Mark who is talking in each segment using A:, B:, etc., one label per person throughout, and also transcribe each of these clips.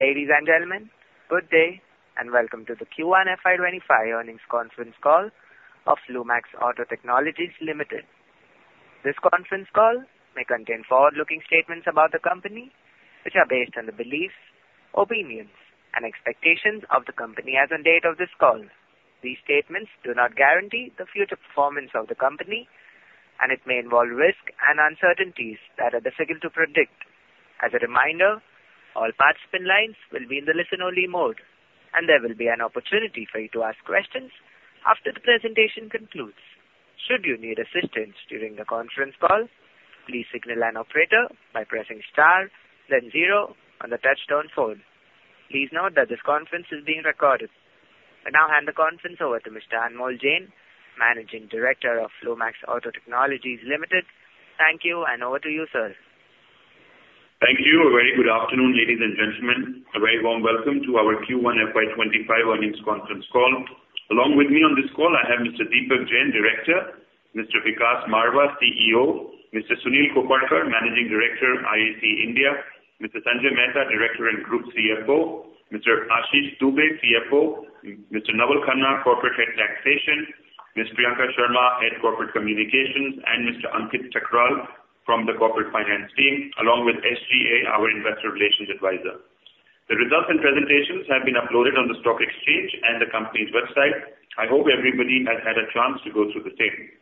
A: Ladies and gentlemen, good day and welcome to the Q1 FY25 earnings conference call of Lumax Auto Technologies Ltd. This conference call may contain forward-looking statements about the company, which are based on the beliefs, opinions, and expectations of the company as of the date of this call. These statements do not guarantee the future performance of the company, and it may involve risks and uncertainties that are difficult to predict. As a reminder, all participant lines will be in the listen-only mode, and there will be an opportunity for you to ask questions after the presentation concludes. Should you need assistance during the conference call, please signal an operator by pressing star, then zero on the touch-tone phone. Please note that this conference is being recorded. I now hand the conference over to Mr. Anmol Jain, Managing Director of Lumax Auto Technologies Ltd. Thank you, and over to you, sir.
B: Thank you. A very good afternoon, ladies and gentlemen. A very warm welcome to our Q1, FY 2025 earnings conference call. Along with me on this call, I have Mr. Deepak Jain, Director, Mr. Vikas Marwah, CEO, Mr. Sunil Koparkar, Managing Director, IAC India, Mr. Sanjay Mehta, Director and Group CFO, Mr. Ashish Dubey, CFO, Mr. Naval Khanna, Corporate Head Taxation, Ms. Priyanka Sharma, Head Corporate Communications, and Mr. Ankit Thakral from the Corporate Finance Team, along with SGA, our Investor Relations Advisor. The results and presentations have been uploaded on the stock exchange and the company's website. I hope everybody has had a chance to go through the same.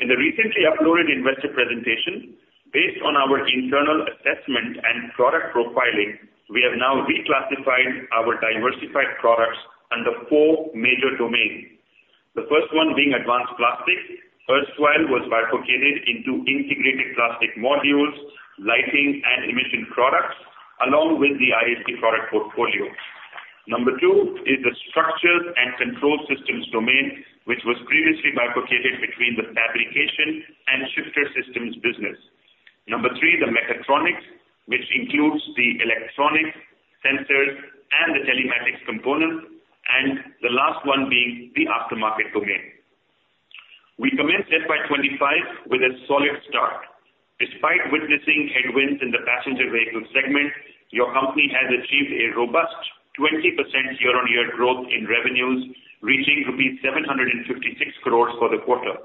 B: In the recently uploaded investor presentation, based on our internal assessment and product profiling, we have now reclassified our diversified products under four major domains. The first one being Advanced Plastics. First, while it was bifurcated into integrated plastic modules, lighting, and emission products, along with the IAC product portfolio. Number two is the Structures and Control Systems domain, which was previously bifurcated between the fabrication and shifter systems business. Number three, the Mechatronics, which includes the electronics, sensors, and the telematics components, and the last one being the Aftermarket domain. We commenced FY 2025 with a solid start. Despite witnessing headwinds in the passenger vehicle segment, your company has achieved a robust 20% year-on-year growth in revenues, reaching rupees 756 crores for the quarter.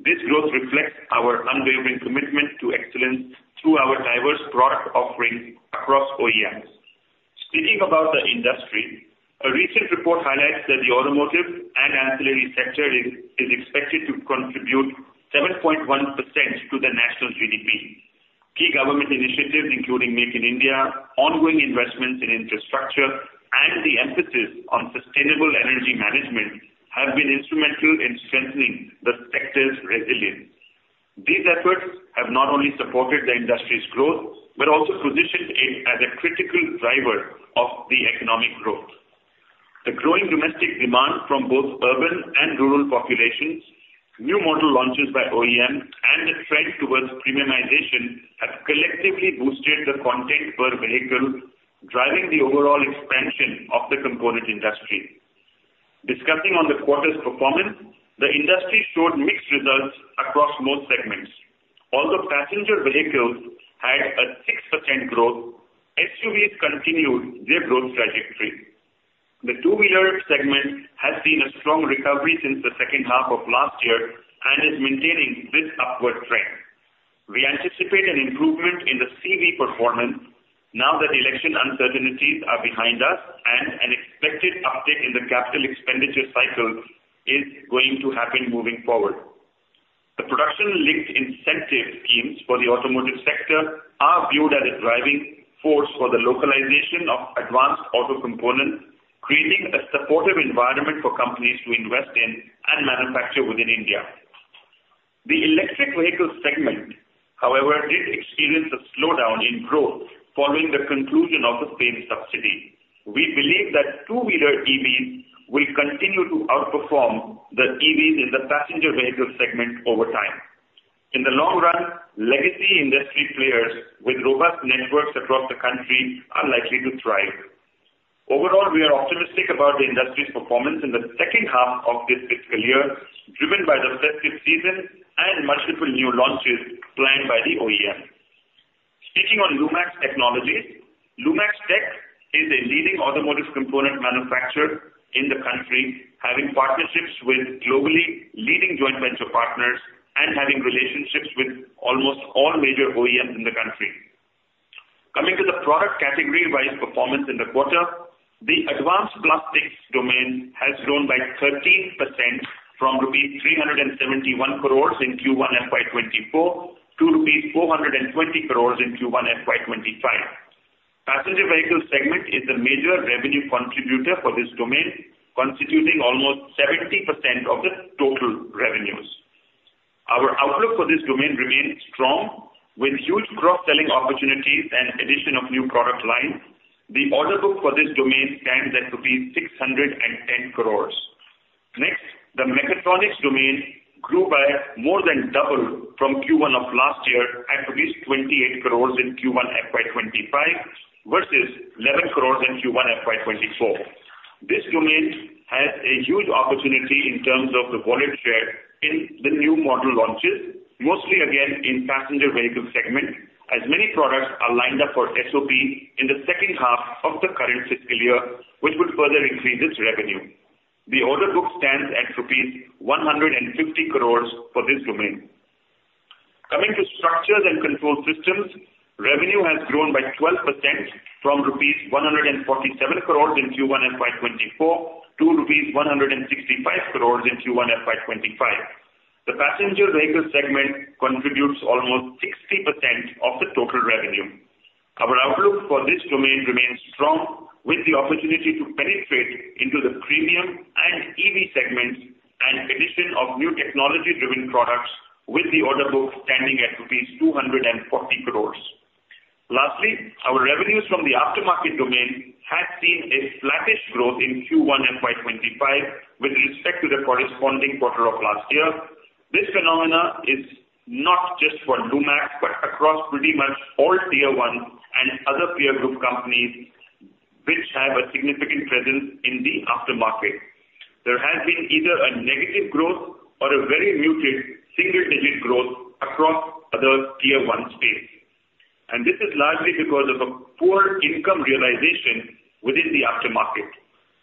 B: This growth reflects our unwavering commitment to excellence through our diverse product offerings across OEMs. Speaking about the industry, a recent report highlights that the automotive and ancillary sector is expected to contribute 7.1% to the national GDP. Key government initiatives, including Make in India, ongoing investments in infrastructure, and the emphasis on sustainable energy management have been instrumental in strengthening the sector's resilience. These efforts have not only supported the industry's growth but also positioned it as a critical driver of the economic growth. The growing domestic demand from both urban and rural populations, new model launches by OEM, and the trend towards premiumization have collectively boosted the content per vehicle, driving the overall expansion of the component industry. Discussing on the quarter's performance, the industry showed mixed results across most segments. Although passenger vehicles had a 6% growth, SUV continued their growth trajectory. The two-wheeler segment has seen a strong recovery since the second half of last year and is maintaining this upward trend. We anticipate an improvement in the CV performance now that election uncertainties are behind us and an expected uptick in the capital expenditure cycle is going to happen moving forward. The Production Linked Incentive schemes for the automotive sector are viewed as a driving force for the localization of advanced auto components, creating a supportive environment for companies to invest in and manufacture within India. The Electric Vehicle segment, however, did experience a slowdown in growth following the conclusion of the FAME subsidy. We believe that two-wheeler EVs will continue to outperform the EVs in the passenger vehicle segment over time. In the long run, legacy industry players with robust networks across the country are likely to thrive. Overall, we are optimistic about the industry's performance in the second half of this fiscal year, driven by the festive season and multiple new launches planned by the OEM. Speaking on Lumax Auto Technologies, Lumax Tech is a leading automotive component manufacturer in the country, having partnerships with globally leading joint venture partners and having relationships with almost all major OEMs in the country. Coming to the product category-wise performance in the quarter, the Advanced Plastics domain has grown by 13% from rupees 371 crores in Q1, FY 2024 to rupees 420 crores in Q1, FY2025. Passenger vehicle segment is the major revenue contributor for this domain, constituting almost 70% of the total revenues. Our outlook for this domain remains strong. With huge cross-selling opportunities and addition of new product lines, the order book for this domain stands at rupees 610 crores. Next, the Mechatronics domain grew by more than double from Q1 of last year at 28 crores in Q1 FY 2025 versus 11 crores in Q1 FY2024. This domain has a huge opportunity in terms of the volume share in the new model launches, mostly again in passenger vehicle segment, as many products are lined up for SOP in the second half of the current fiscal year, which would further increase its revenue. The order book stands at INR 150 crores for this domain. Coming to Structures and Control Systems, revenue has grown by 12% from rupees 147 crores in Q1 FY2024 to rupees 165 crores in Q1 FY2025. The passenger vehicle segment contributes almost 60% of the total revenue. Our outlook for this domain remains strong, with the opportunity to penetrate into the premium and EV segments and addition of new technology-driven products, with the order book standing at rupees 240 crores. Lastly, our revenues from the Aftermarket domain have seen a sluggish growth in Q1 FY2025 with respect to the corresponding quarter of last year. This phenomenon is not just for Lumax but across pretty much all tier one and other peer group companies, which have a significant presence in the Aftermarket. There has been either a negative growth or a very muted single-digit growth across the tier one space, and this is largely because of a poor income realization within the Aftermarket.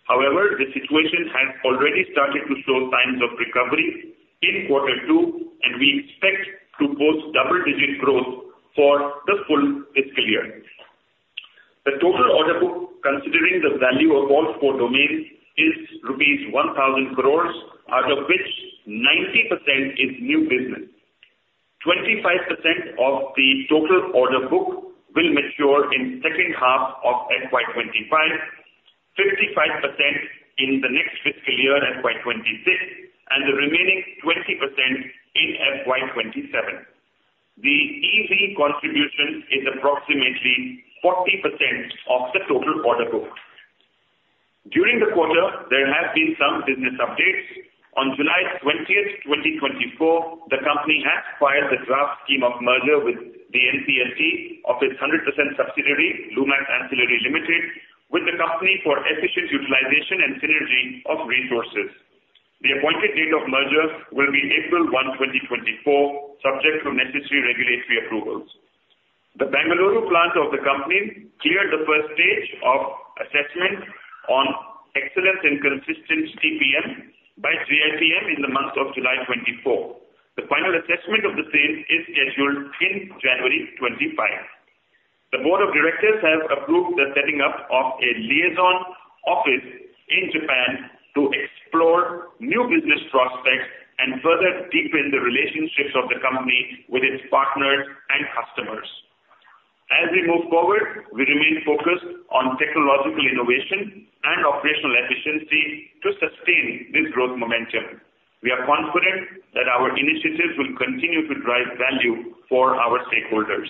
B: However, the situation has already started to show signs of recovery in quarter two, and we expect to post double-digit growth for the full fiscal year. The total order book, considering the value of all four domains, is rupees 1,000 crores, out of which 90% is new business. 25% of the total order book will mature in the second half of FY 2025, 55% in the next fiscal year FY2026, and the remaining 20% in FY2027. The EV contribution is approximately 40% of the total order book. During the quarter, there have been some business updates. On July 20, 2024, the company has filed the draft scheme of merger with the NCLT of its 100% subsidiary, Lumax Ancillary Limited, with the company for efficient utilization and synergy of resources. The appointed date of merger will be April 1, 2024, subject to necessary regulatory approvals. The Bengaluru plant of the company cleared the first stage of assessment on excellence and consistent TPM by JIPM in the month of July 2024. The final assessment of the same is scheduled in January 2025. The board of directors has approved the setting up of a liaison office in Japan to explore new business prospects and further deepen the relationships of the company with its partners and customers. As we move forward, we remain focused on technological innovation and operational efficiency to sustain this growth momentum. We are confident that our initiatives will continue to drive value for our stakeholders.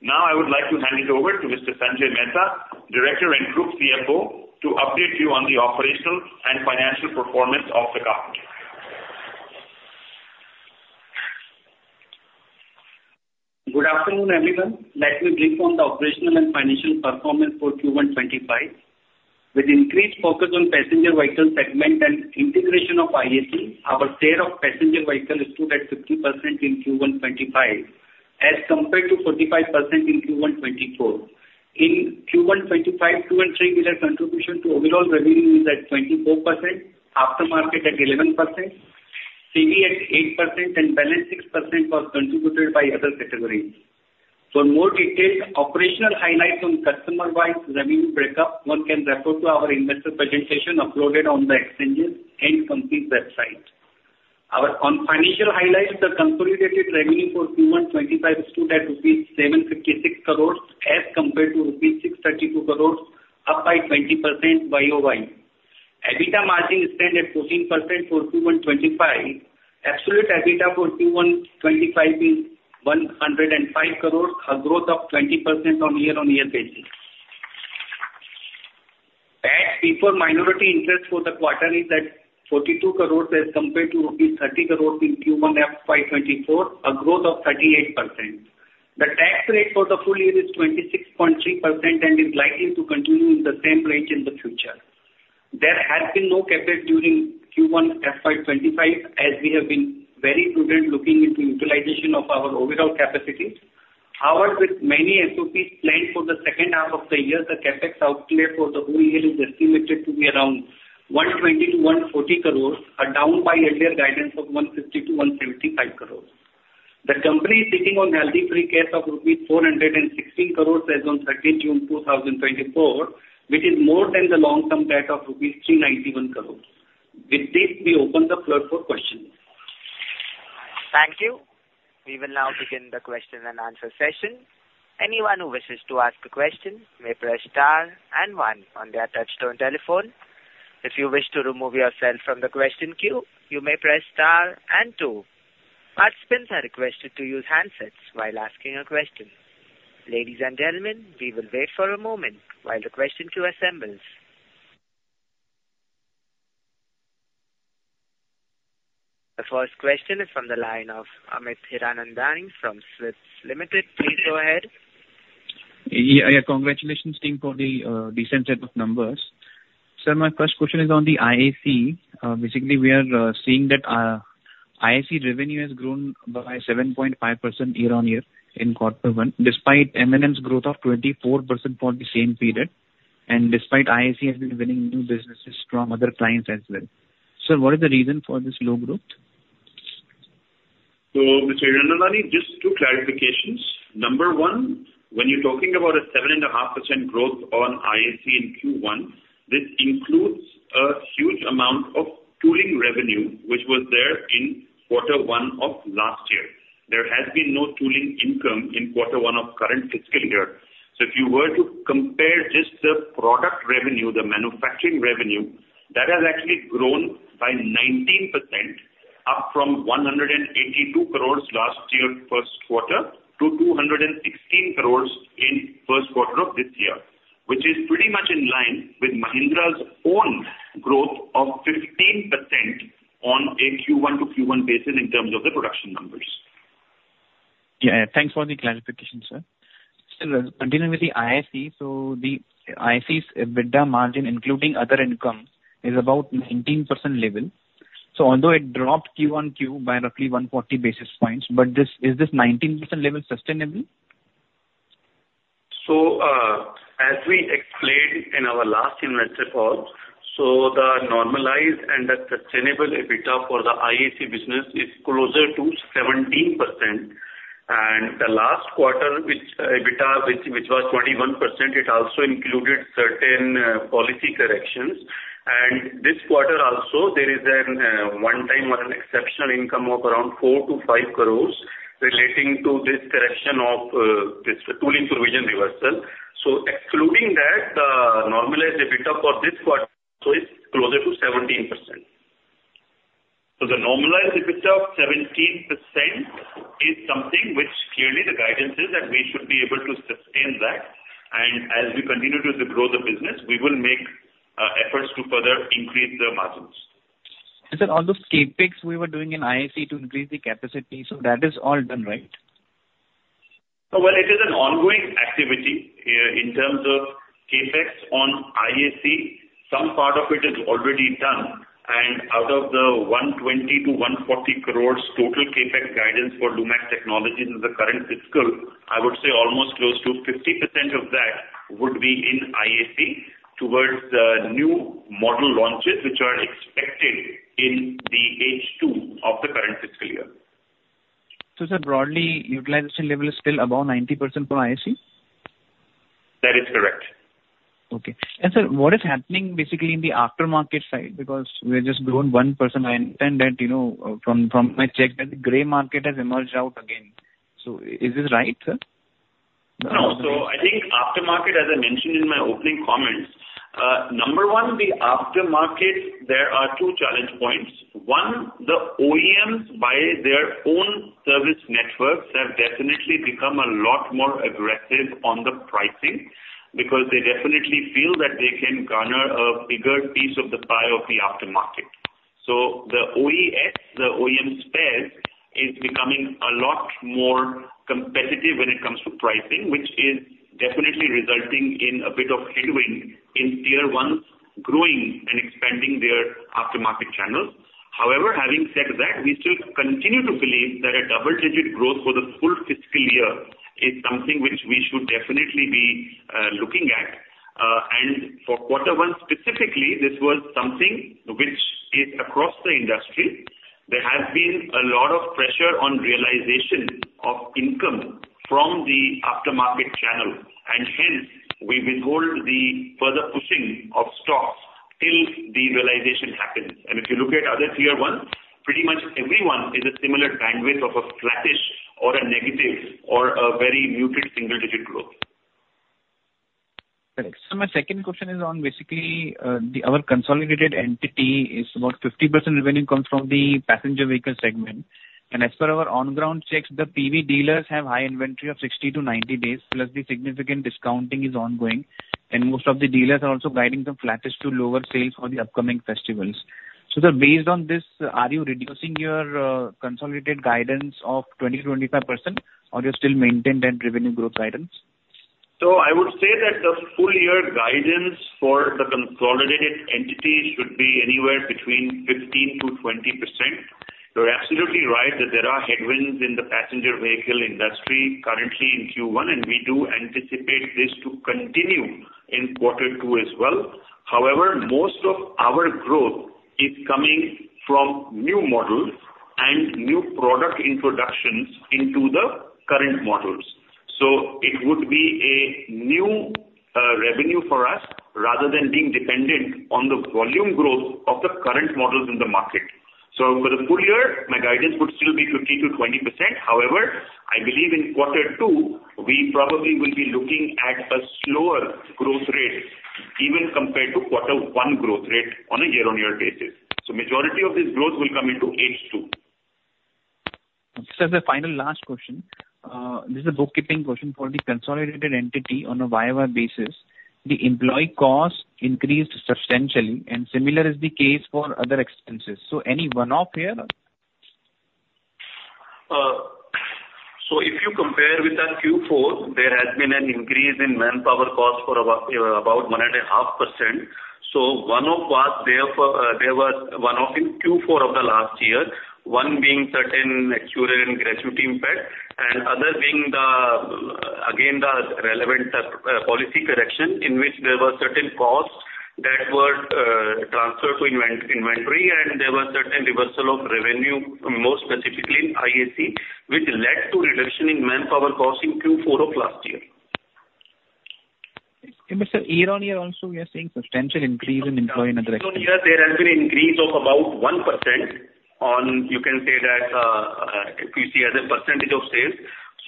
B: Now, I would like to hand it over to Mr. Sanjay Mehta, Director and Group CFO, to update you on the operational and financial performance of the company.
C: Good afternoon, everyone. Let me brief on the operational and financial performance for Q1 2025. With increased focus on passenger vehicle segment and integration of IAC, our share of passenger vehicle is stood at 50% in Q1 2025, as compared to 45% in Q1 2024. In Q1 2025, two- and three-wheeler contribution to overall revenue is at 24%, Aftermarket at 11%, CV at 8%, and balance 6% was contributed by other categories. For more detailed operational highlights on customer-wise revenue breakup, one can refer to our investor presentation uploaded on the exchanges and company's website. On financial highlights, the consolidated revenue for Q1 2025 is stood at 756 crores rupees, as compared to 632 crores rupees, up by 20% YoY. EBITDA margin is standing at 14% for Q1 2025. Absolute EBITDA for Q1 2025 is 105 crores, a growth of 20% on year-on-year basis. At PAT, minority interest for the quarter is at 42 crores, as compared to rupees 30 crores in Q1 FY 2024, a growth of 38%. The tax rate for the full year is 26.3% and is likely to continue in the same range in the future. There has been no CapEx during Q1 FY 2025, as we have been very prudent looking into utilization of our overall capacity. However, with many SOPs planned for the second half of the year, the CapEx outlay for the whole year is estimated to be around 120-140 crores, a down by earlier guidance of 150-175 crores. The company is sitting on healthy free cash of rupees 416 crores as of 30 June 2024, which is more than the long-term debt of rupees 391 crores. With this, we open the floor for questions.
A: Thank you. We will now begin the question-and-answer session. Anyone who wishes to ask a question may press star and one on their touch-tone telephone. If you wish to remove yourself from the question queue, you may press star and two. Participants are requested to use handsets while asking a question. Ladies and gentlemen, we will wait for a moment while the question queue assembles. The first question is from the line of Amit Hiranandani from SMIFS Limited. Please go ahead.
D: Yeah, congratulations, team, for the decent set of numbers. Sir, my first question is on the IAC. Basically, we are seeing that IAC revenue has grown by 7.5% year-on-year in quarter one, despite M&M's growth of 24% for the same period, and despite IAC has been winning new businesses from other clients as well. Sir, what is the reason for this low growth?
C: So, Mr. Hiranandani, just two clarifications. Number one, when you're talking about a 7.5% growth on IAC in Q1, this includes a huge amount of tooling revenue, which was there in quarter one of last year. There has been no tooling income in quarter one of current fiscal year. So, if you were to compare just the product revenue, the manufacturing revenue, that has actually grown by 19%, up from 182 crores last year first quarter to 216 crores in first quarter of this year, which is pretty much in line with Mahindra's own growth of 15% on a Q1 to Q1 basis in terms of the production numbers.
D: Yeah, thanks for the clarification, sir. Sir, continuing with the IAC, so the IAC's EBITDA margin, including other income, is about 19% level. So, although it dropped QoQ by roughly 140 basis points, but is this 19% level sustainable?
C: As we explained in our last investor call, the normalized and the sustainable EBITDA for the IAC business is closer to 17%. The last quarter, which EBITDA, which was 21%, it also included certain policy corrections. This quarter also, there is a one-time or an exceptional income of around 4-5 crores relating to this correction of this tooling provision reversal. Excluding that, the normalized EBITDA for this quarter is closer to 17%. The normalized EBITDA of 17% is something which clearly the guidance is that we should be able to sustain that. As we continue to grow the business, we will make efforts to further increase the margins.
D: Sir, all those CapEx we were doing in IAC to increase the capacity, so that is all done, right?
C: It is an ongoing activity. In terms of CapEx on IAC, some part of it is already done. Out of the 120 to 140 crores total CapEx guidance for Lumax Auto Technologies in the current fiscal, I would say almost close to 50% of that would be in IAC towards the new model launches, which are expected in the H2 of the current fiscal year.
D: So, sir, broadly, utilization level is still above 90% for IAC?
C: That is correct.
D: Okay. And, sir, what is happening basically in the Aftermarket side? Because we have just grown 1%. I understand that from my checks, the gray market has emerged out again. So, is this right, sir?
C: No. So, I think Aftermarket, as I mentioned in my opening comments, number one, the Aftermarket, there are two challenge points. One, the OEMs, by their own service networks, have definitely become a lot more aggressive on the pricing because they definitely feel that they can garner a bigger piece of the pie of the Aftermarket. So, the OES, the OEM spares, is becoming a lot more competitive when it comes to pricing, which is definitely resulting in a bit of headwind in Tier 1 growing and expanding their Aftermarket channels. However, having said that, we still continue to believe that a double-digit growth for the full fiscal year is something which we should definitely be looking at. And for quarter one specifically, this was something which is across the industry. There has been a lot of pressure on realization of income from the Aftermarket channel, and hence, we withhold the further pushing of stocks till the realization happens, and if you look at other Tier 1's, pretty much everyone is a similar bandwidth of a flatish or a negative or a very muted single-digit growth.
D: Thanks. Sir, my second question is on basically our consolidated entity is about 50% revenue comes from the passenger vehicle segment. And as per our on-ground checks, the PV dealers have high inventory of 60-90 days, plus the significant discounting is ongoing, and most of the dealers are also guiding some slowdown to lower sales for the upcoming festivals. So, sir, based on this, are you reducing your consolidated guidance of 20%-25%, or you're still maintaining that revenue growth guidance?
C: I would say that the full-year guidance for the consolidated entity should be anywhere between 15%-20%. You're absolutely right that there are headwinds in the passenger vehicle industry currently in Q1, and we do anticipate this to continue in quarter two as well. However, most of our growth is coming from new models and new product introductions into the current models. It would be a new revenue for us rather than being dependent on the volume growth of the current models in the market. For the full year, my guidance would still be 50%-20%. However, I believe in quarter two, we probably will be looking at a slower growth rate, even compared to quarter one growth rate on a year-on-year basis. The majority of this growth will come into H2.
D: Sir, the final last question. This is a bookkeeping question for the consolidated entity on a YoY basis. The employee cost increased substantially, and similar is the case for other expenses. So, any one-off here?
B: So, if you compare with that Q4, there has been an increase in manpower cost for about 1.5%. One of which there was one-off in Q4 of the last year, one being certain accrued gratuity impact, and other being the, again, the relevant policy correction in which there were certain costs that were transferred to inventory, and there were certain reversal of revenue, more specifically IAC, which led to reduction in manpower cost in Q4 of last year.
D: Sir, year-on-year also, we are seeing substantial increase in employee and other expenses.
C: Year-on-year, there has been an increase of about 1% on, you can say that, if you see as a percentage of sales.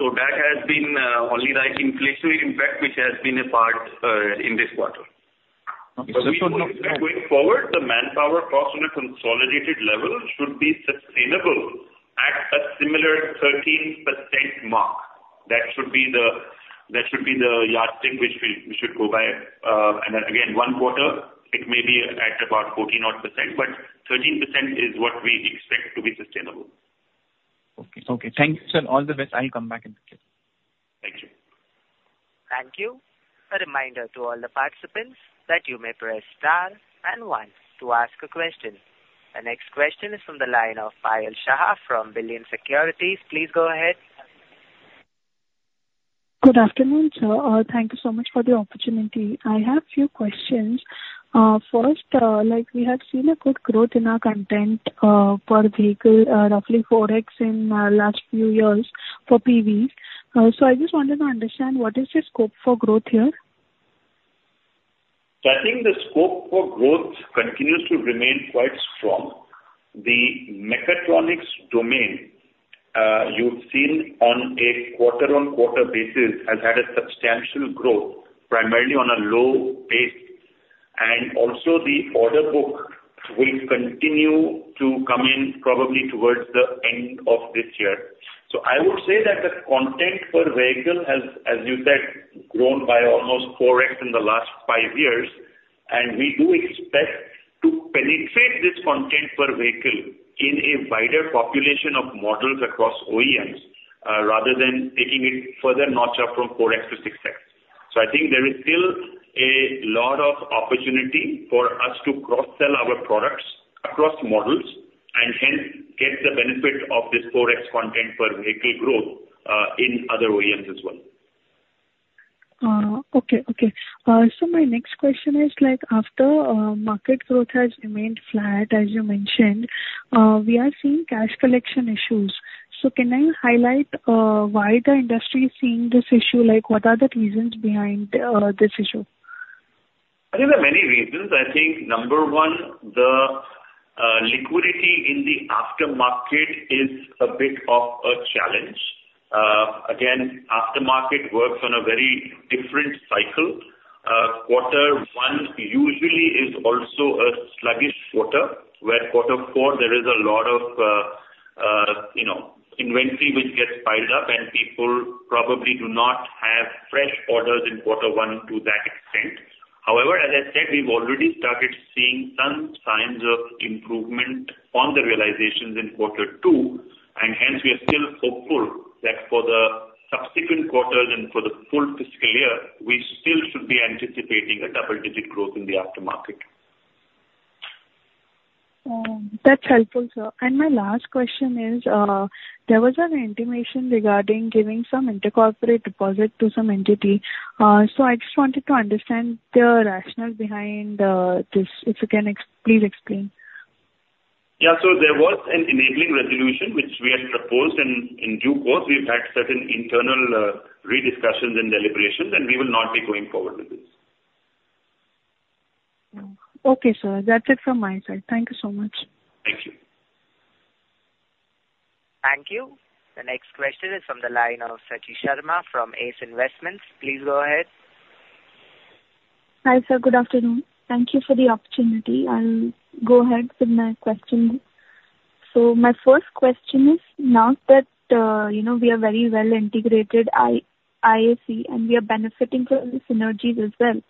C: So, that has been only like inflationary impact, which has been a part in this quarter.
D: Okay, so we should know.
C: Going forward, the manpower cost on a consolidated level should be sustainable at a similar 13% mark. That should be the yardstick which we should go by. And again, one quarter, it may be at about 14 or 1%, but 13% is what we expect to be sustainable.
D: Okay. Okay. Thank you, sir. All the best. I'll come back in a bit.
C: Thank you.
A: Thank you. A reminder to all the participants that you may press star and one to ask a question. The next question is from the line of Payal Shah from Billion Securities. Please go ahead.
E: Good afternoon, sir. Thank you so much for the opportunity. I have a few questions. First, we have seen a good growth in our content for vehicle, roughly 4X in the last few years for PVs. So, I just wanted to understand, what is the scope for growth here?
C: I think the scope for growth continues to remain quite strong. The Mechatronics domain you've seen on a quarter-on-quarter basis has had a substantial growth, primarily on a low base. And also, the order book will continue to come in probably towards the end of this year. I would say that the content per vehicle has, as you said, grown by almost 4X in the last five years. And we do expect to penetrate this content per vehicle in a wider population of models across OEMs rather than taking it further notch up from 4X to 6X. I think there is still a lot of opportunity for us to cross-sell our products across models and hence get the benefit of this 4X content per vehicle growth in other OEMs as well.
E: Okay. So, my next question is, Aftermarket growth has remained flat, as you mentioned. We are seeing cash collection issues. So, can you highlight why the industry is seeing this issue? What are the reasons behind this issue?
C: There are many reasons. I think, number one, the liquidity in the Aftermarket is a bit of a challenge. Again, Aftermarket works on a very different cycle. Quarter one usually is also a sluggish quarter, where quarter four, there is a lot of inventory which gets piled up, and people probably do not have fresh orders in quarter one to that extent. However, as I said, we've already started seeing some signs of improvement on the realizations in Quarter two. And hence, we are still hopeful that for the subsequent quarters and for the full fiscal year, we still should be anticipating a double-digit growth in the Aftermarket.
E: That's helpful, sir. And my last question is, there was an intimation regarding giving some intercorporate deposit to some entity. So, I just wanted to understand the rationale behind this. If you can, please explain.
C: Yeah, so there was an enabling resolution which we had proposed in due course. We've had certain internal rediscussions and deliberations, and we will not be going forward with this.
E: Okay, sir. That's it from my side. Thank you so much.
C: Thank you.
A: Thank you. The next question is from the line of Satish Sharma from ACE Investments. Please go ahead.
F: Hi, sir. Good afternoon. Thank you for the opportunity. I'll go ahead with my question. So, my first question is, now that we are very well integrated IAC and we are benefiting from the synergies as well,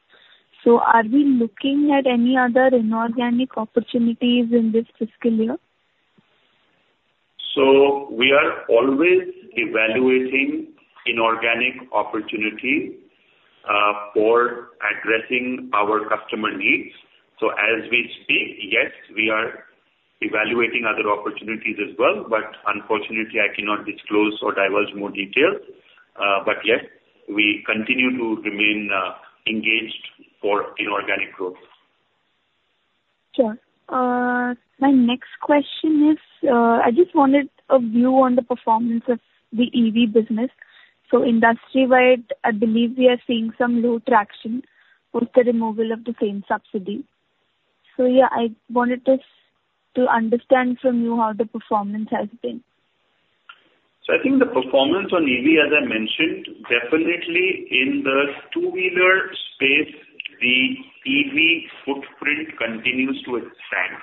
F: so, are we looking at any other inorganic opportunities in this fiscal year?
B: We are always evaluating inorganic opportunities for addressing our customer needs. As we speak, yes, we are evaluating other opportunities as well. Unfortunately, I cannot disclose or divulge more details. Yes, we continue to remain engaged for inorganic growth.
F: Sure. My next question is, I just wanted a view on the performance of the EV business. So, industry-wide, I believe we are seeing some low traction with the removal of the FAME Subsidy. So, yeah, I wanted to understand from you how the performance has been.
C: I think the performance on EV, as I mentioned, definitely in the two-wheeler space, the EV footprint continues to expand.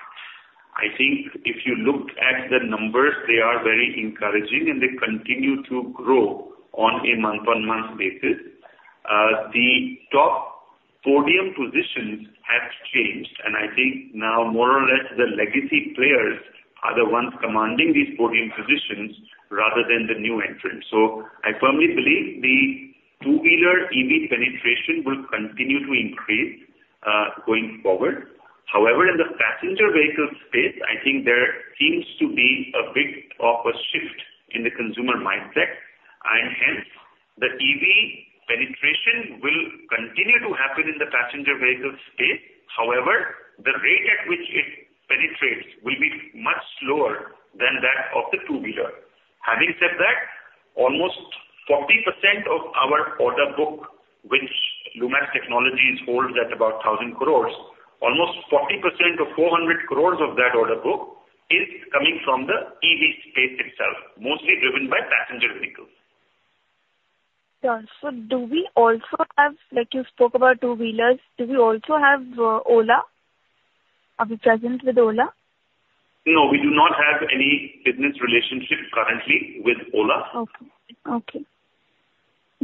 C: I think if you look at the numbers, they are very encouraging, and they continue to grow on a month-on-month basis. The top podium positions have changed. I think now, more or less, the legacy players are the ones commanding these podium positions rather than the new entrants. I firmly believe the two-wheeler EV penetration will continue to increase going forward. However, in the passenger vehicle space, I think there seems to be a bit of a shift in the consumer mindset. Hence, the EV penetration will continue to happen in the passenger vehicle space. However, the rate at which it penetrates will be much slower than that of the two-wheeler. Having said that, almost 40% of our order book, which Lumax Auto Technologies holds at about 1,000 crores, almost 40% of 400 crores of that order book is coming from the EV space itself, mostly driven by passenger vehicles.
F: Sir, so do we also have, like you spoke about two-wheelers, do we also have Ola? Are we present with Ola?
C: No, we do not have any business relationship currently with Ola.
F: Okay.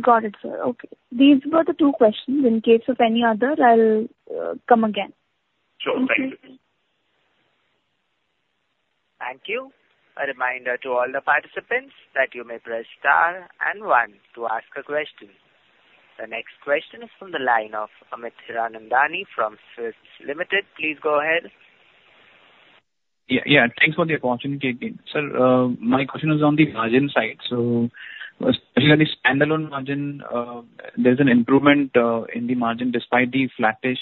F: Got it, sir. Okay. These were the two questions. In case of any other, I'll come again.
C: Sure. Thank you.
A: Thank you. A reminder to all the participants that you may press star and one to ask a question. The next question is from the line of Amit Hiranandani from SMIFS Limited. Please go ahead.
D: Yeah. Yeah. Thanks for the opportunity again. Sir, my question is on the margin side. So, especially on the standalone margin, there's an improvement in the margin despite the sluggish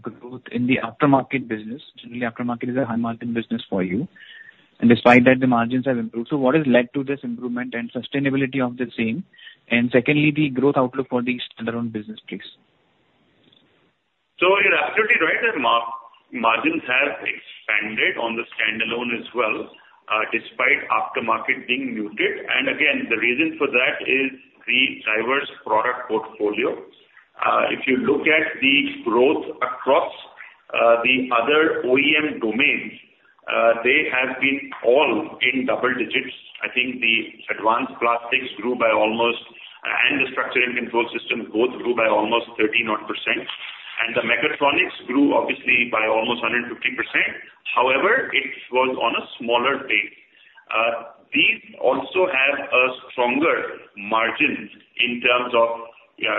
D: growth in the Aftermarket business. Generally, Aftermarket is a high-margin business for you. And despite that, the margins have improved. So, what has led to this improvement and sustainability of the same? And secondly, the growth outlook for the standalone business, please.
C: So, you're absolutely right that margins have expanded on the standalone as well, despite Aftermarket being muted. And again, the reason for that is the diverse product portfolio. If you look at the growth across the other OEM domains, they have been all in double digits. I think the Advanced Plastics grew by almost, and the Structures and Control Systems both grew by almost 13%. And the Mechatronics grew, obviously, by almost 150%. However, it was on a smaller base. These also have a stronger margin in terms of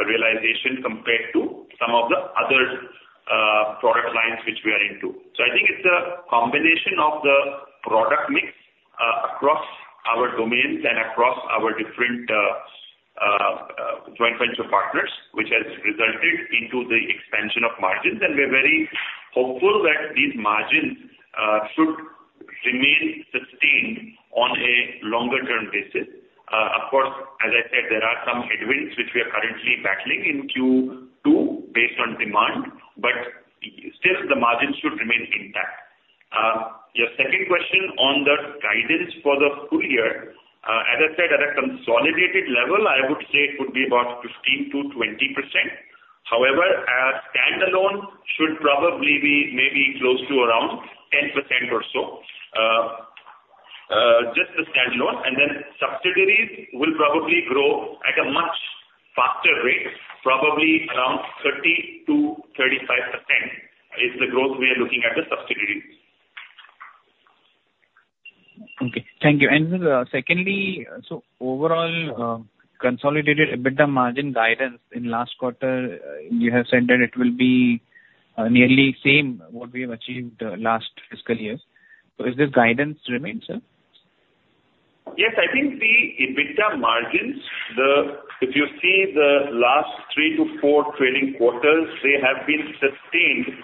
C: realization compared to some of the other product lines which we are into. So, I think it's a combination of the product mix across our domains and across our different joint venture partners, which has resulted in the expansion of margins. And we're very hopeful that these margins should remain sustained on a longer-term basis. Of course, as I said, there are some headwinds which we are currently battling in Q2 based on demand. But still, the margins should remain intact. Your second question on the guidance for the full year, as I said, at a consolidated level, I would say it would be about 15%-20%. However, standalone should probably be maybe close to around 10% or so, just the standalone. And then subsidiaries will probably grow at a much faster rate, probably around 30%-35% is the growth we are looking at the subsidiaries.
D: Okay. Thank you. And secondly, so overall, consolidated EBITDA margin guidance in last quarter, you have said that it will be nearly same what we have achieved last fiscal year. So, is this guidance remaining, sir?
C: Yes. I think the EBITDA margins, if you see the last three to four trailing quarters, they have been sustained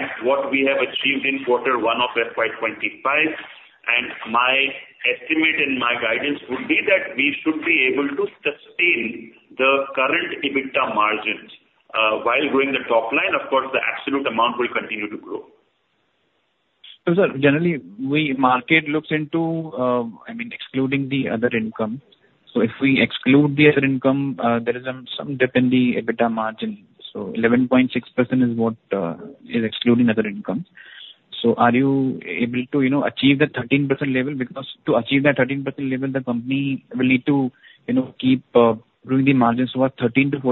C: at what we have achieved in quarter one of FY 2025. And my estimate and my guidance would be that we should be able to sustain the current EBITDA margins while growing the top line. Of course, the absolute amount will continue to grow.
D: So, sir, generally, the market looks into, I mean, excluding the other income. So, if we exclude the other income, there is some dip in the EBITDA margin. So, 11.6% is what is excluding other income. So, are you able to achieve that 13% level? Because to achieve that 13% level, the company will need to keep growing the margins to a 13%-14%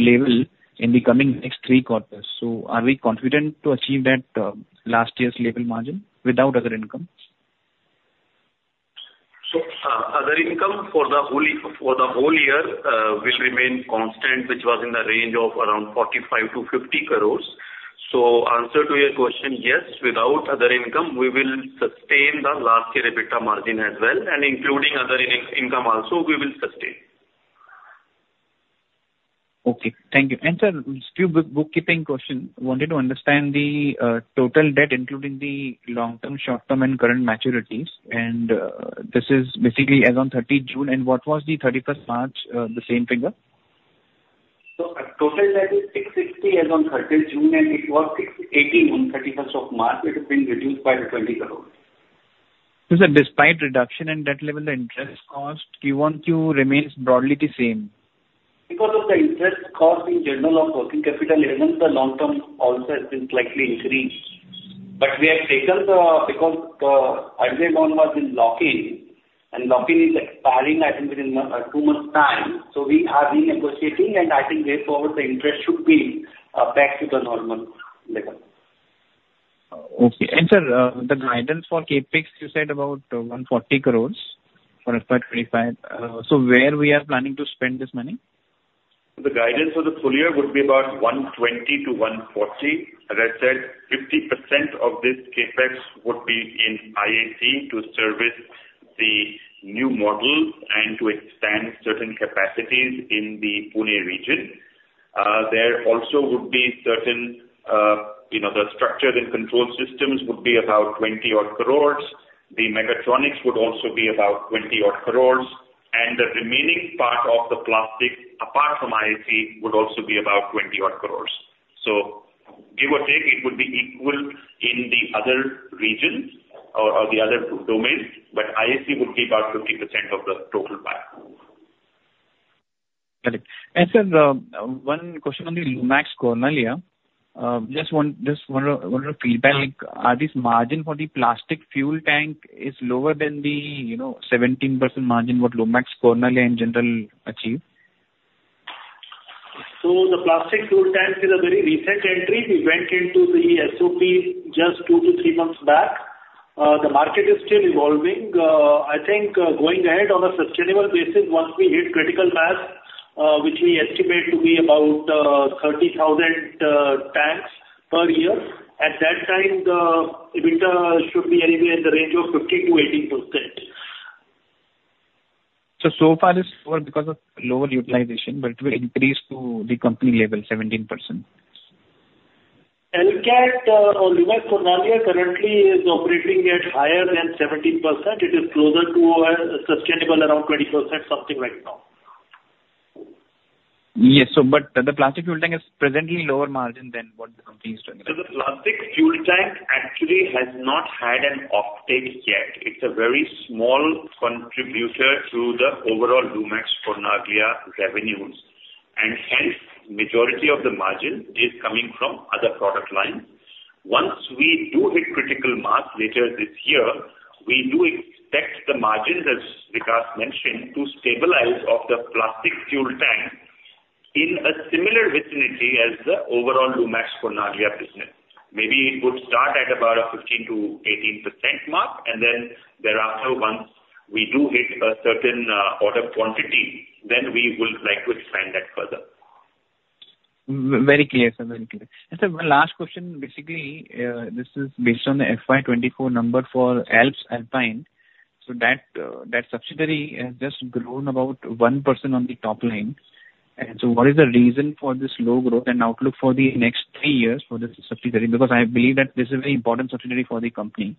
D: level in the coming next three quarters. So, are we confident to achieve that last year's level margin without other income?
C: So, other income for the whole year will remain constant, which was in the range of around 45-50 crores. So, answer to your question, yes, without other income, we will sustain the last year EBITDA margin as well. And including other income also, we will sustain.
D: Okay. Thank you. And sir, still bookkeeping question. Wanted to understand the total debt, including the long-term, short-term, and current maturities. And this is basically as on 30 June. And what was the 31st March, the same figure?
C: Total debt is 660 as on 30 June, and it was 680 on 31st of March. It has been reduced by 20 crores.
D: So, sir, despite reduction in debt level, the interest cost, Q1, Q2 remains broadly the same?
C: Because of the interest cost in general of working capital, even the long-term also has been slightly increased. But we have taken the because the agreement was in lock-in, and lock-in is expiring, I think, within two months' time. So, we are renegotiating, and I think therefore the interest should be back to the normal level.
D: Okay. And sir, the guidance for CapEx, you said about 140 crores for FY 2025. So, where we are planning to spend this money?
C: The guidance for the full year would be about 120-140. As I said, 50% of this CapEx would be in IAC to service the new model and to expand certain capacities in the Pune region. There also would be certain the Structures and Control Systems would be about 20 odd crores. The Mechatronics would also be about 20 odd crores. And the remaining part of the plastics, apart from IAC, would also be about 20 odd crores. So, give or take, it would be equal in the other region or the other domains. But IAC would be about 50% of the total CapEx.
D: Got it. And sir, one question on the Lumax Cornaglia. Just one more feedback. Are these margins for the plastic fuel tank lower than the 17% margin what Lumax Cornaglia in general achieved?
C: So, the plastic fuel tank is a very recent entry. We went into the SOP just two to three months back. The market is still evolving. I think going ahead on a sustainable basis, once we hit critical mass, which we estimate to be about 30,000 tanks per year, at that time, the EBITDA should be anywhere in the range of 15%-18%.
D: So far is because of lower utilization, but it will increase to the company level, 17%.
C: LCAT or Lumax Cornaglia currently is operating at higher than 17%. It is closer to sustainable around 20% something right now.
D: Yes. So, but the plastic fuel tank is presently lower margin than what the company is doing right now.
C: The plastic fuel tank actually has not had an offtake yet. It's a very small contributor to the overall Lumax Cornaglia revenues. Hence, majority of the margin is coming from other product lines. Once we do hit critical mass later this year, we do expect the margins, as Vikas mentioned, to stabilize of the plastic fuel tank, in a similar vicinity as the overall Lumax Cornaglia business. Maybe it would start at about a 15%-18% mark. Then thereafter, once we do hit a certain order quantity, then we will likely expand that further.
D: Very clear, sir. Very clear. And sir, one last question. Basically, this is based on the FY 2024 number for Alps Alpine. So, that subsidiary has just grown about 1% on the top line. And so, what is the reason for this low growth and outlook for the next three years for this subsidiary? Because I believe that this is a very important subsidiary for the company.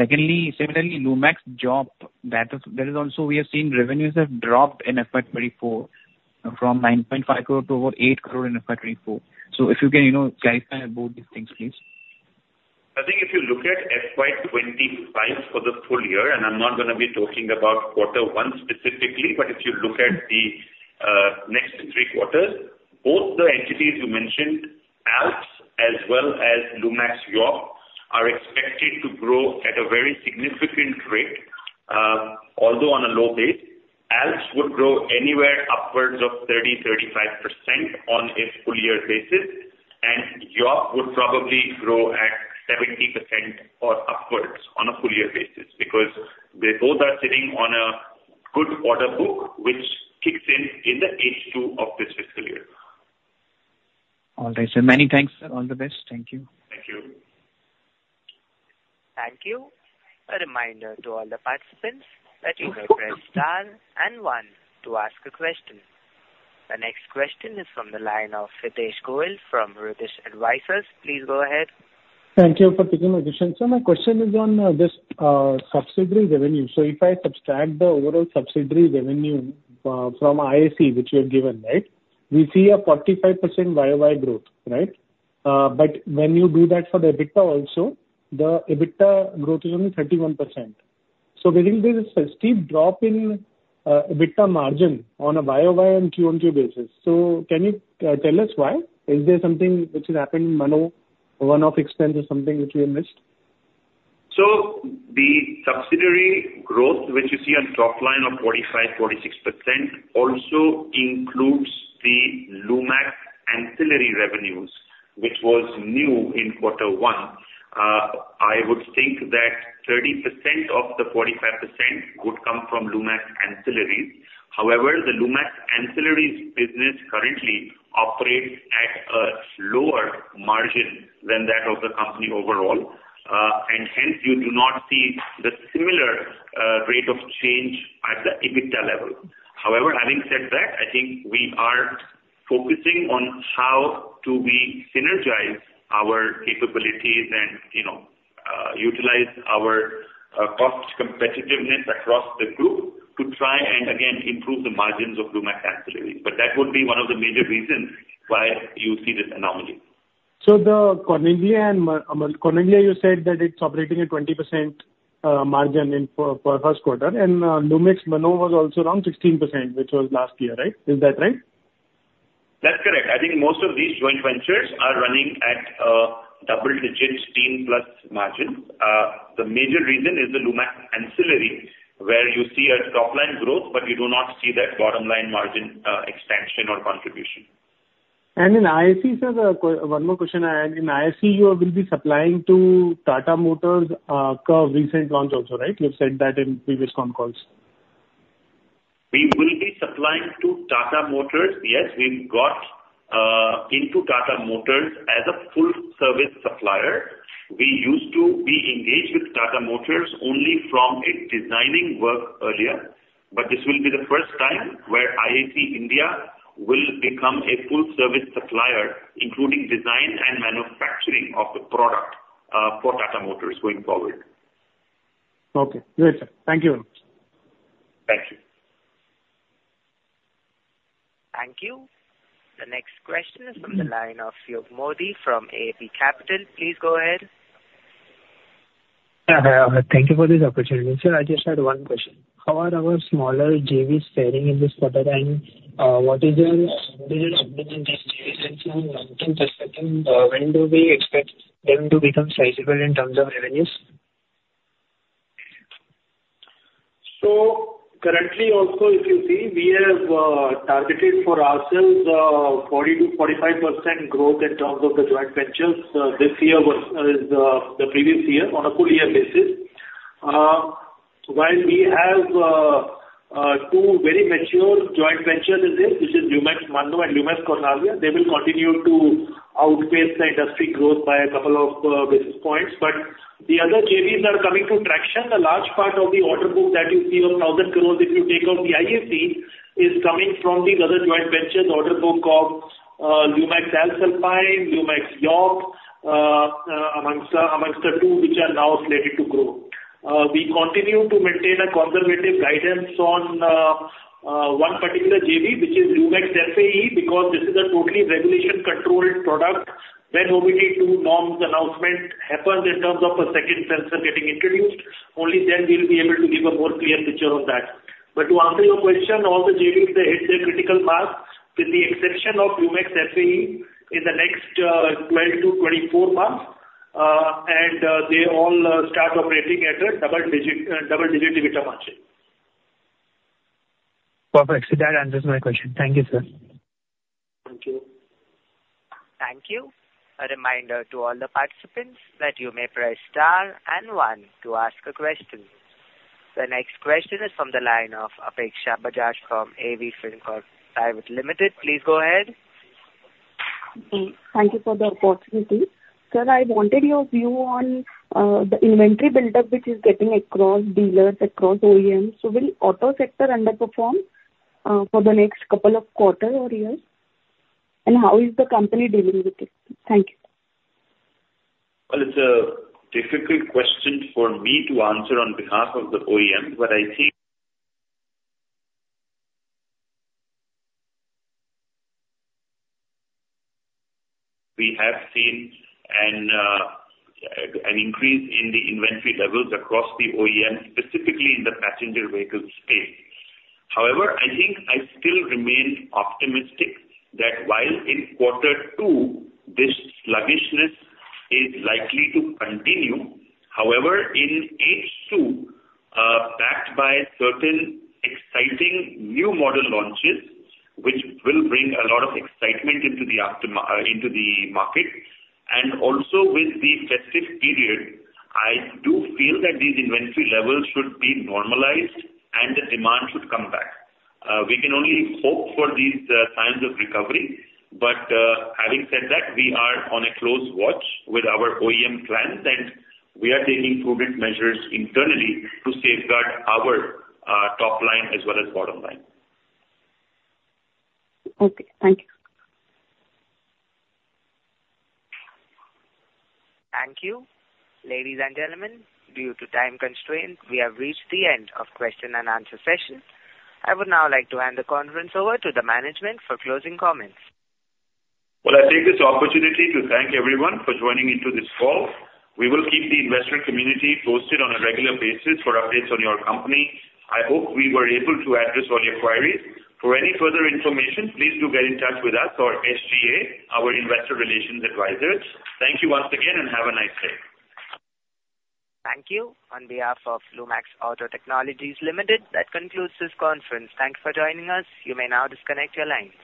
D: Secondly, similarly, Lumax Jopp, there is also we have seen revenues have dropped in FY 2024 from 9.5 crore to over 8 crore in FY 2024. So, if you can clarify both these things, please.
C: I think if you look at FY 2025 for the full year, and I'm not going to be talking about quarter one specifically, but if you look at the next three quarters, both the entities you mentioned, Alps as well as Lumax Jopp, are expected to grow at a very significant rate, although on a low base. Alps would grow anywhere upwards of 30%-35% on a full year basis. And Jopp would probably grow at 70% or upwards on a full year basis because they both are sitting on a good order book, which kicks in in the H2 of this fiscal year.
D: All right. Sir, many thanks, sir. All the best. Thank you.
C: Thank you.
A: Thank you. A reminder to all the participants that you may press star and one to ask a question. The next question is from the line of Hitesh Goel from Rutish Advisors. Please go ahead.
G: Thank you for taking my question, sir. My question is on this subsidiary revenue. So, if I subtract the overall subsidiary revenue from IAC, which you have given, right, we see a 45% YoY growth, right? But when you do that for the EBITDA also, the EBITDA growth is only 31%. So, basically, there is a steep drop in EBITDA margin on a YoY and Q1, Q2 basis. So, can you tell us why? Is there something which has happened in one-off expense or something which we have missed?
C: The subsidiary growth, which you see on top line of 45-46%, also includes the Lumax Ancillary revenues, which was new in quarter one. I would think that 30% of the 45% would come from Lumax Ancillary. However, the Lumax Ancillary business currently operates at a lower margin than that of the company overall. Hence, you do not see the similar rate of change at the EBITDA level. However, having said that, I think we are focusing on how to synergize our capabilities and utilize our cost competitiveness across the group to try and, again, improve the margins of Lumax Ancillary. That would be one of the major reasons why you see this anomaly.
G: So, Ancillary, you said that it's operating at 20% margin for first quarter. And Lumax Mannoh was also around 16%, which was last year, right? Is that right?
C: That's correct. I think most of these joint ventures are running at double-digit 16-plus margins. The major reason is the Lumax Ancillary, where you see a top-line growth, but you do not see that bottom-line margin extension or contribution.
G: In IAC, sir, one more question. In IAC, you will be supplying to Tata Motors' Curvv recent launch also, right? You've said that in previous phone calls.
C: We will be supplying to Tata Motors, yes. We've got into Tata Motors as a full-service supplier. We used to be engaged with Tata Motors only from a designing work earlier. But this will be the first time where IAC India will become a full-service supplier, including design and manufacturing of the product for Tata Motors going forward.
G: Okay. Great, sir. Thank you very much.
C: Thank you.
A: Thank you. The next question is from the line of Yug Modi from AB Capital. Please go ahead.
H: Thank you for this opportunity. Sir, I just had one question. How are our smaller JVs faring in this quarter? And what is your optimum JV land in Pune sector? When do we expect them to become sizable in terms of revenues?
C: Currently, also, if you see, we have targeted for ourselves 40%-45% growth in terms of the joint ventures this year versus the previous year on a full year basis. While we have two very mature joint ventures in this, which is Lumax Mannoh and Lumax Cornaglia, they will continue to outpace the industry growth by a couple of basis points. But the other JVs are coming to traction. A large part of the order book that you see of 1,000 crores, if you take out the IAC, is coming from these other joint ventures order book of Lumax Alps Alpine, Lumax JOPP, amongst the two which are now slated to grow. We continue to maintain a conservative guidance on one particular JV, which is Lumax FAE, because this is a totally regulation-controlled product. When OBD-II norms announcement happens in terms of a second sensor getting introduced, only then we'll be able to give a more clear picture of that. But to answer your question, all the JVs, they hit their critical mass with the exception of Lumax FAE in the next 12 to 24 months. And they all start operating at a double-digit EBITDA margin.
H: Perfect. That answers my question. Thank you, sir.
C: Thank you.
A: Thank you. A reminder to all the participants that you may press star and one to ask a question. The next question is from the line of Apeksha Bajaj from AV FinCorp Private Limited. Please go ahead.
I: Thank you for the opportunity. Sir, I wanted your view on the inventory buildup, which is getting across dealers, across OEMs. So, will the auto sector underperform for the next couple of quarters or years? And how is the company dealing with it? Thank you.
C: It's a difficult question for me to answer on behalf of the OEM, but I think we have seen an increase in the inventory levels across the OEM, specifically in the passenger vehicle space. However, I think I still remain optimistic that while in quarter two, this sluggishness is likely to continue. However, in H2, backed by certain exciting new model launches, which will bring a lot of excitement into the market, and also, with the festive period, I do feel that these inventory levels should be normalized and the demand should come back. We can only hope for these times of recovery, but having said that, we are on a close watch with our OEM clients, and we are taking prudent measures internally to safeguard our top line as well as bottom line.
I: Okay. Thank you.
A: Thank you. Ladies and gentlemen, due to time constraints, we have reached the end of the question-and-answer session. I would now like to hand the conference over to the management for closing comments.
C: I take this opportunity to thank everyone for joining into this call. We will keep the investor community posted on a regular basis for updates on your company. I hope we were able to address all your queries. For any further information, please do get in touch with us or SGA, our investor relations advisors. Thank you once again and have a nice day.
A: Thank you. On behalf of Lumax Auto Technologies Limited, that concludes this conference. Thanks for joining us. You may now disconnect your lines.